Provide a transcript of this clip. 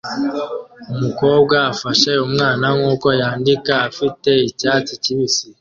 Umugore afashe umwana nkuko yandika afite icyatsi kibisi